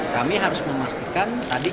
kami harus memastikan tadi